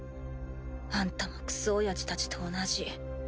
あんたもクソおやじたちと同じ。